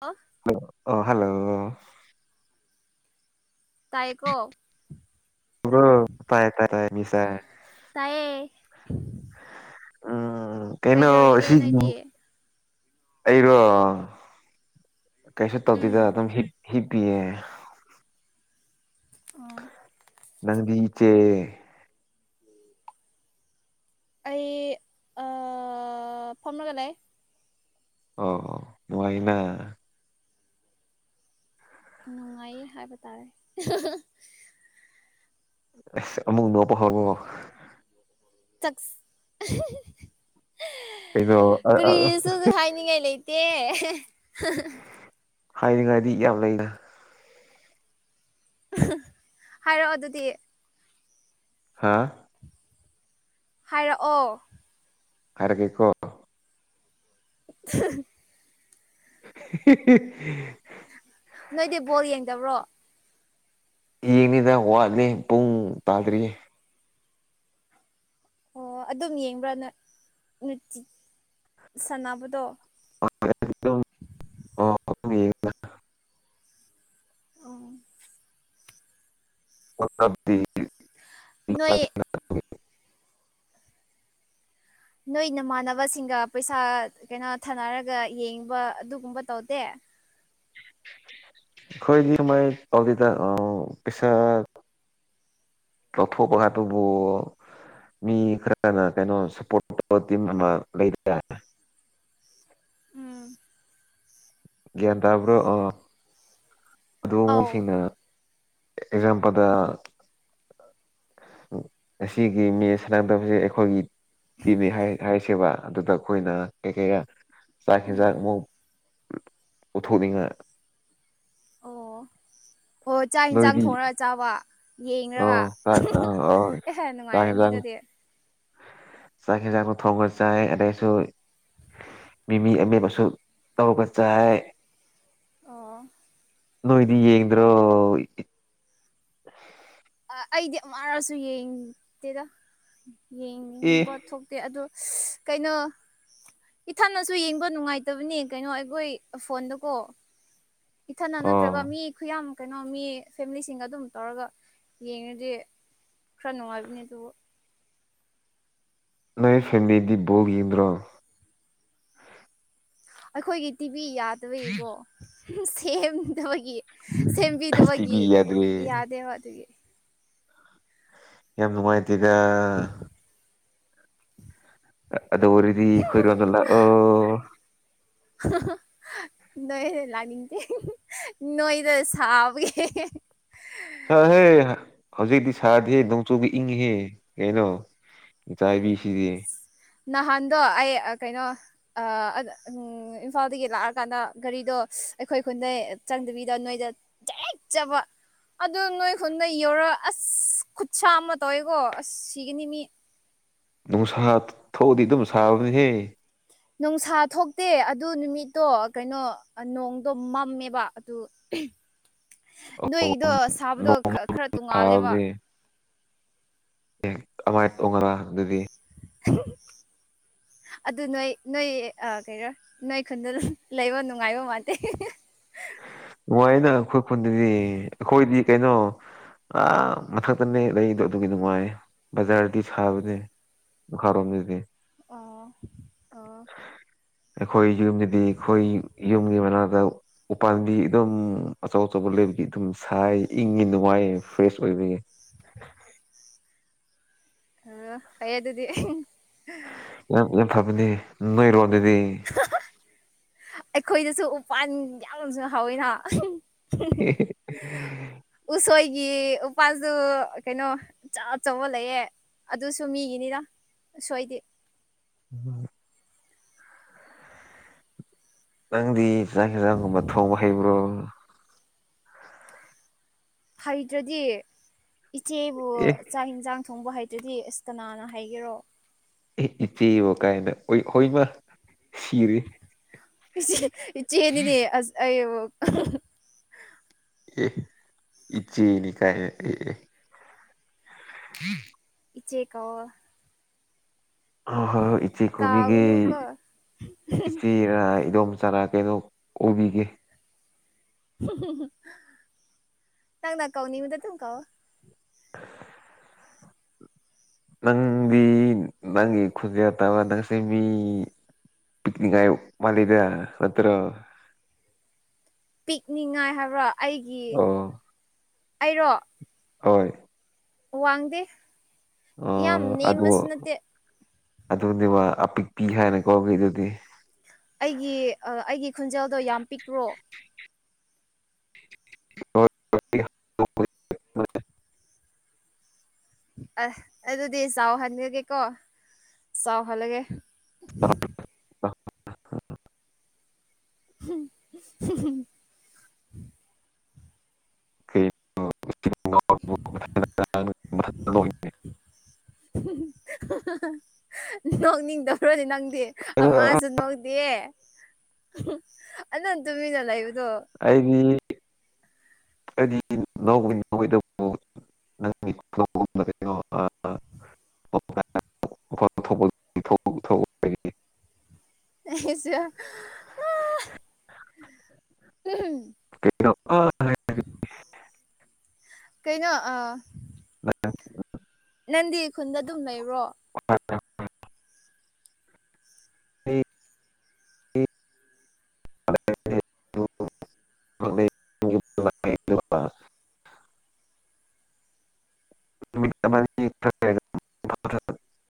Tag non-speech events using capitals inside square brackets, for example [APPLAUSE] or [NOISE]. ꯑꯣ ꯍꯂꯣ ꯑ ꯍꯜꯂꯣ ꯇꯥꯏꯀꯣ ꯍ ꯇꯥꯏ ꯇꯥꯏ ꯇꯥꯏ ꯃꯤꯁꯥꯏ ꯇꯥꯏꯌꯦ ꯎꯝ ꯀꯩꯅꯩꯅꯣ ꯀꯩꯗꯧꯔꯤꯒꯦ ꯁꯤꯈꯤꯕ ꯅꯣꯏꯗꯤ ꯑꯩꯔꯣ ꯀꯩꯁꯨ ꯎꯝ ꯇꯧꯗꯣꯏꯗ ꯑꯗꯨꯝ ꯍꯄꯑ ꯑꯣ ꯅꯪꯗꯤꯆꯦ ꯑꯩ ꯐꯝꯃꯒ ꯂꯩ ꯑꯣ ꯃꯥꯏꯅꯦ ꯅꯨꯡꯉꯥꯏ ꯍꯥꯏꯕ ꯇꯥꯔꯦ ꯑꯁ ꯑꯃꯨꯛ ꯅꯣꯄ ꯍꯣꯕꯣ ꯇꯛ ꯀꯩꯅꯣ ꯑ ꯑ ꯀꯔꯤꯁꯨ ꯍꯥꯏꯅꯤꯡꯉꯥꯏ ꯂꯩꯇꯦ ꯍꯥꯏꯅꯤꯡꯉꯥꯏꯗꯤ ꯌꯥꯝ ꯂꯩꯅ ꯍꯥꯏꯔꯛꯑꯣ ꯑꯗꯨꯗꯤ ꯍꯥꯥ ꯍꯥꯏꯔꯛꯑꯣ ꯍꯥꯏꯔꯒꯦꯀꯣ [INAUDIBLE] [INAUDIBLE] ꯅꯣꯏꯗꯤ ꯕꯣꯜ ꯌꯦꯡꯗꯕ꯭ꯔꯣ ꯌꯦꯡꯉꯤꯗ ꯋꯥꯠꯂꯤ ꯄꯨꯡ ꯇꯥꯗ꯭ꯔꯤꯌꯦ ꯑꯣ ꯑꯗꯨꯝ ꯌꯦꯡꯕ꯭ꯔꯥꯅꯨꯡꯇꯤ ꯁꯥꯟꯅꯕꯗꯣ [INAUDIBLE] [INAUDIBLE] ꯑ ꯎꯝ ꯑꯣ ꯀꯗꯤ ꯅꯣꯏ ꯅꯣꯏ ꯅꯃꯥꯟꯅꯕꯁꯤꯡꯒ ꯄꯩꯁꯥ ꯀꯩꯅꯣ ꯊꯥꯅꯔꯒ ꯌꯦꯡꯕ ꯑꯗꯨꯒꯨꯝꯕ ꯇꯧꯗꯦ ꯈꯣꯏ ꯗꯤ ꯃꯥꯏ ꯇꯥꯎꯗꯦꯗ ꯄꯦꯁꯥ ꯇꯧꯊꯣꯛꯄ ꯑꯗꯨꯕꯨ ꯃꯤ ꯈꯔꯅ ꯀꯩꯅꯣ ꯁꯞꯄꯣꯔꯠ ꯇꯤꯝ ꯑꯃ ꯂꯩꯗꯥꯏ ꯎꯝ ꯒꯌ꯭ꯥꯟ ꯇꯕ꯭ꯔꯣ ꯑꯥ ꯑꯗꯨ ꯃꯨꯛ ꯑꯧ ꯁꯤꯟꯅ ꯑꯦꯛꯖꯥꯝꯄꯗ ꯑꯁꯤꯒꯤ ꯃꯁ ꯁꯅꯥꯗꯕꯕꯁꯤ ꯑꯩꯈꯣꯏꯒꯤ ꯄꯤꯅꯤ ꯍꯥꯏꯁꯦꯕ ꯑꯗꯨꯗ ꯑꯩꯈꯣꯏꯅ ꯀꯩ ꯀꯩꯔꯥ ꯆꯥꯛ ꯎꯝ ꯑꯦꯟꯁꯥꯡ ꯑꯃꯨꯛ ꯄꯨꯊꯣꯛ ꯅꯤꯂꯥ ꯑꯣ ꯑꯣ ꯆꯥꯛ ꯌꯦꯟꯁꯥꯡ ꯅꯣꯏꯗꯤ ꯊꯣꯡꯂꯥ ꯆꯥꯕ ꯑ ꯌꯦꯡꯂꯒꯥ ꯆꯥꯛ ꯑ ꯑ ꯆꯥꯛ ꯅꯨꯡꯉꯥꯏꯔꯅꯤ ꯌꯦꯟꯖꯥꯡ ꯑꯗꯨꯗꯤ ꯆꯥꯛ ꯑꯦꯟꯁꯥꯡ ꯗꯣ ꯊꯣꯡꯉꯥ ꯆꯥꯏ ꯑꯗꯩꯩꯁꯨ ꯃꯤꯃꯤ ꯑꯃꯦꯠꯄꯁꯨ ꯇꯧꯔꯒꯥ ꯆꯥꯏ ꯑꯣ ꯅꯣꯏꯗꯤ ꯌꯦꯡꯗ꯭ꯔꯣ ꯑꯩꯗꯤ ꯑꯃꯥꯔꯁꯨ ꯌꯦꯡꯗꯦꯗ ꯑꯦ ꯌꯦꯡꯅꯤꯡꯕ ꯊꯣꯛꯇꯦ ꯑꯗꯣ ꯀꯩꯅꯣ ꯏꯊꯟꯇꯥꯁꯨ ꯌꯦꯡꯕ ꯅꯨꯡꯉꯥꯏꯇꯕꯅꯤ ꯀꯩꯅꯣ ꯑꯩꯈꯣꯏ ꯐꯣꯟꯗꯀꯣ ꯏꯊꯟꯇꯥ ꯑꯣ ꯅꯠꯇ꯭ꯔꯒ ꯃꯤ ꯈꯨꯌꯥꯝ ꯀꯩꯅꯣ ꯃꯤ ꯐꯦꯃꯤꯂꯤꯁꯤꯡꯒ ꯑꯗꯨꯝ ꯇꯧꯔꯒ ꯌꯦꯡꯉꯗꯤ ꯈꯔ ꯅꯨꯡꯉꯥꯏꯕꯅꯤ ꯑꯗꯨꯕꯨ ꯅꯣꯏ ꯐꯦꯃꯥꯂꯤ꯫ꯗꯤ ꯕꯜ ꯌꯦꯡꯗ꯭ꯔꯣ ꯑꯩꯈꯣꯏꯒꯤ ꯇꯤꯚꯤ ꯌꯥꯗꯕꯒꯤꯀꯣ ꯁꯦꯝ ꯗꯕꯒꯤ ꯑꯁ ꯁꯦꯝꯕꯤꯗꯕꯒꯤ ꯇꯤꯚꯤ ꯌꯥꯗ꯭ꯔꯦ ꯌꯥꯗꯦꯕ ꯑꯗꯨꯒꯤ ꯌꯥꯝꯅꯨꯡꯇꯦꯗꯥ ꯑꯗꯣ ꯑꯣꯏꯔꯗꯤ ꯑꯩꯈꯣꯏ ꯔꯣꯝꯗ ꯂꯛꯑꯣ ꯒ ꯅꯣꯏꯗ ꯂꯥꯛꯅꯤꯡꯗꯦ ꯅꯣꯏꯗ ꯁꯥꯕꯒꯤ ꯆꯇꯂꯣꯍꯦ ꯍꯧꯖꯤꯛꯇꯤ ꯁꯥꯗꯤꯌꯦ ꯅꯣꯡꯆꯨꯕꯥꯒꯤ ꯏꯪꯒꯦꯍꯦ ꯀꯩꯅꯣ ꯆꯥꯏꯕꯤ ꯁꯤꯗꯤ ꯅꯍꯥꯟꯗꯣ ꯑꯩ ꯀꯩꯅꯣ ꯏꯝꯐꯥꯜꯗꯒꯤ ꯂꯥꯛꯑꯀꯥꯟꯗ ꯒꯥꯔꯤꯗꯣ ꯑꯩꯈꯣꯏ ꯈꯨꯟꯗ ꯆꯪꯗꯕꯤꯗ ꯅꯣꯏꯗ ꯆꯦꯛꯆꯕ ꯑꯗꯨ ꯅꯣꯏ ꯈꯨꯟꯗꯣ ꯌꯧꯔꯛ ꯑꯁ ꯑꯁ ꯈꯨꯠꯁ ꯑꯃ ꯇꯧꯋꯦꯀꯣ ꯑꯁ ꯁꯤꯒꯥꯅꯤ ꯃꯤ ꯅꯨꯡꯁꯥ ꯊꯣꯛꯑꯗꯤ ꯑꯗꯨꯝ ꯁꯥꯕꯅꯤꯍꯦ ꯅꯨꯡꯁꯥ ꯊꯣꯛꯇꯦ ꯑꯗꯨ ꯅꯨꯃꯤꯠꯇꯣ ꯀꯩꯅꯣ ꯅꯣꯡꯗꯣ ꯃꯝꯃꯦꯕ ꯑꯗꯨ ꯅꯣꯏꯒꯤꯗꯣ ꯁꯥꯕꯗꯣ ꯅꯣꯡ ꯈꯔ ꯇꯣꯡꯉꯥꯜꯂꯦꯕ ꯑꯦ ꯑꯗꯨꯃꯥꯏꯅ ꯇꯣꯡꯉꯔ ꯑꯗꯨꯗꯤ ꯒ ꯑꯗꯨ ꯅꯣꯏ ꯅꯣꯏ ꯀꯩꯔꯣ ꯅꯣꯏ ꯈꯨꯟꯗꯨ ꯂꯩꯕ ꯅꯨꯡꯉꯥꯏꯕ ꯃꯟꯗꯦ ꯎ ꯅꯨꯡꯉꯥꯏꯌꯦꯗꯥ ꯑꯩꯈꯣꯏ ꯈꯨꯟꯗꯗꯤ ꯑꯩꯈꯣꯏꯗꯤ ꯀꯩꯅꯣ ꯑ ꯃꯊꯛꯇꯅꯦ ꯂꯩꯗꯣ ꯑꯗꯨꯒꯤ ꯅꯨꯡꯉꯥꯏꯌꯦ ꯕꯖꯥꯔꯗꯤ ꯁꯥꯕꯅꯦ ꯃꯈꯥ ꯔꯣꯝꯗꯥꯗꯤ ꯑꯣ ꯑꯣ ꯑꯩꯈꯣꯏ ꯌꯨꯝꯗꯗꯤ ꯑꯩꯈꯣꯏ ꯌꯨꯝꯒꯤ ꯃꯅꯥꯛꯇ ꯎ ꯄꯥꯥꯟꯕꯤ ꯑꯗꯨꯝ ꯑꯆꯧ ꯑꯆꯧꯕ ꯂꯩꯕꯒꯤ ꯑꯗꯨꯝ ꯁꯥꯏ ꯏꯪꯉꯤ ꯅꯨꯡꯉꯥꯏ ꯐ꯭ꯔꯦꯁ ꯑꯣꯏꯕꯒꯤ ꯗ ꯑ ꯐꯥꯌꯦ ꯑꯗꯨꯗꯤ ꯌꯥꯝ ꯌꯥꯝ ꯐꯕꯅꯦ ꯅꯣꯏꯔꯣꯝꯗꯥꯗꯤ ꯑꯩꯈꯣꯏꯗꯁꯨ ꯎ ꯄꯥꯟ ꯌꯥꯝꯅꯁꯨ ꯍꯥꯎꯋꯤꯅ [UNINTELLIGIBLE] ꯑꯩꯒꯤ ꯎꯄꯥꯜꯗꯨ ꯀꯩꯅꯣ ꯑ ꯑꯆꯧꯕ ꯂꯩꯌꯦꯦ ꯑꯗꯨꯁꯨ ꯃꯤꯒꯤꯅꯤꯅ ꯁꯣꯏꯗꯤꯦꯞ ꯎꯝ ꯅꯪꯗꯤ ꯆꯥꯛ ꯍꯟꯖꯥꯡꯒꯨꯝꯕ ꯊꯣꯡꯕ ꯍꯩꯕ꯭ꯔꯣ ꯍꯩꯗ꯭ꯔꯗꯤ ꯏꯆꯦꯕꯨ ꯑꯦ ꯆꯥꯛ ꯏꯟꯁꯥꯡ ꯊꯣꯡꯕ ꯍꯩꯇ꯭ꯔꯗꯤ ꯑꯁ ꯀꯅꯥꯅ ꯍꯥꯏꯒꯦꯔꯣ ꯑꯦ ꯏꯆꯦ ꯋꯥ ꯀꯥꯏꯅ ꯍꯣꯏꯃ ꯁꯤꯔꯦ ꯦ ꯏ ꯆꯦꯅꯤꯅꯦ ꯑꯁ ꯑ ꯑꯦ ꯏꯆꯦꯅꯤ ꯀꯥꯏ ꯎꯝ ꯏꯆꯦꯀꯑꯣ ꯍ ꯍꯣꯏ ꯍꯣꯏ ꯏꯆꯤ ꯀꯣꯕꯤꯒꯤ ꯀꯥꯎꯒꯅꯨꯀꯣ ꯏꯆꯦꯔ ꯏꯗꯣꯝ ꯆꯥꯔꯥ ꯀꯦꯗꯣ ꯑꯣꯏꯕꯤꯒꯦ ꯅꯪ ꯅ ꯀꯧꯅꯤꯃꯤꯗ ꯊꯝ ꯀ ꯅꯪꯗꯤ ꯅꯪꯒꯤ ꯈꯨꯟꯖ ꯇꯥꯕ ꯅꯪꯁ ꯃꯤ ꯄꯤꯛꯅꯤꯛ ꯍꯥꯏ ꯃꯥꯂꯦꯗ ꯅꯠꯇ꯭ꯔꯣ ꯄꯤꯛꯅꯤꯉꯥꯏ ꯍꯥꯏꯕ꯭ꯔꯣ ꯑꯩꯒꯤ ꯑꯣ ꯑꯩꯔꯣ ꯍꯣꯏ ꯋꯥꯡꯗꯦ ꯌꯥꯝ ꯅꯦꯝꯃꯁꯨ ꯅꯠꯇꯦ ꯑꯗꯨꯅꯦ ꯃꯥ ꯑꯄꯤꯛꯄꯤ ꯍꯥꯏꯅꯀꯣ ꯃꯤꯗꯨꯗꯤ ꯑꯩꯒꯤ ꯑꯩꯒꯤ ꯈꯨꯟꯖꯦꯜꯗꯣ ꯌꯥꯝ ꯄꯤꯛꯄ꯭ꯔꯣ [UNINTELLIGIBLE] ꯑ ꯑꯗꯨꯗꯤ ꯆꯥꯎ ꯍꯟꯈꯒꯦ ꯀꯣ ꯆꯥꯎ ꯍꯜꯂꯒꯦ ꯑ [UNINTELLIGIBLE] [UNINTELLIGIBLE] ꯅꯣꯛꯅꯤꯡꯗꯔꯣꯅꯤ ꯅꯪꯗꯤ ꯑꯁꯨ ꯅꯧꯗꯦ ꯑꯅꯪ ꯇꯨꯃꯤꯅ ꯂꯩꯕ ꯑꯩꯗꯤ ꯀꯗꯤꯗꯕ ꯅꯪ ꯣ ꯑ [UNINTELLIGIBLE] ꯑꯁ ꯎ ꯍꯣ ꯀꯩꯅꯩꯅꯣ ꯅꯟꯗꯤ ꯈꯨꯟꯗ ꯑꯗꯨꯝ ꯂꯩꯕꯔꯣ ꯑ [UNINTELLIGIBLE] [UNINTELLIGIBLE]